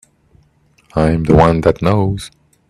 I'm the one that knows.